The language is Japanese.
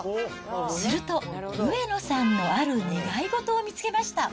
すると、上野さんのある願い事を見つけました。